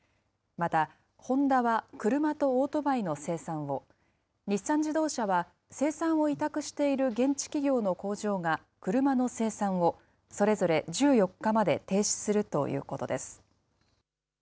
また、ホンダは車とオートバイの生産を、日産自動車は生産を委託している現地企業の工場が車の生産を、それぞれ１４日まで停止するということです。